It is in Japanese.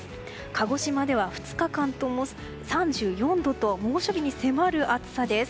鹿児島では２日間とも３４度と猛暑日に迫る暑さです。